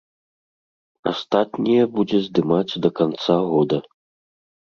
Астатнія будзе здымаць да канца года.